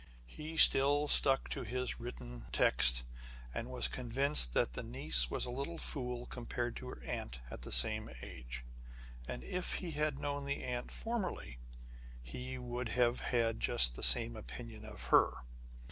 He still stuck to his text, and was convinced that the niece was a little fool compared to her aunt at the same age; and if he had known the aunt formerly, he would have had just the same opinion of her.